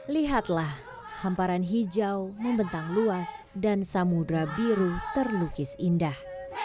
lihatlah hamparan hijau membentang luas dan samudera biru terlukis indah